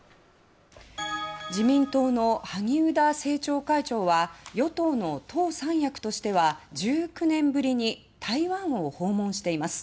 自民党の萩生田政調会長は与党の党三役としては１９年ぶりに台湾を訪問しています。